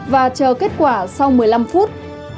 và chờ kết quả sau một mươi năm phút